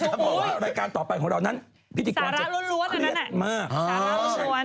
ถูกพูดนะครับสาระร้วนอันนั้นแหละพิธีความเจ็บเกล็ดมากสาระร้วน